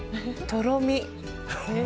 とろみ！